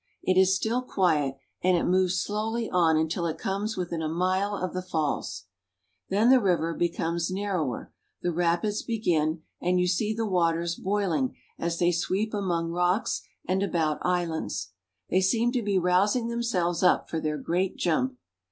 It is still quiet, and it moves slowly on until it comes within a mile of the falls. Then the river becomes narrower, the rapids begin, and you see the waters boiling as they sweep among rocks and about islands. They seem to be rousing themselves up for their great jump.